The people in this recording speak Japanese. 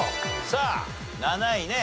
さあ７位ね。